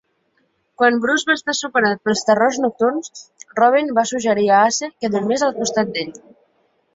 Quan Bruce va estar superat pels terrors nocturns, Robin va suggerir a Ace que dormís al costat d'ell.